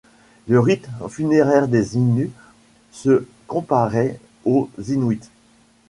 Le rite funéraire des Innus se comparait aux Inuits.